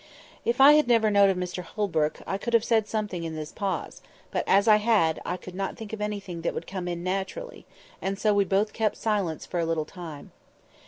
If I had never known of Mr Holbrook, I could have said something in this pause, but as I had, I could not think of anything that would come in naturally, and so we both kept silence for a little time.